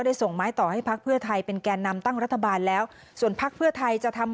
ที่ว่าเราจะร่วมการสนับสนุนคุณพิธา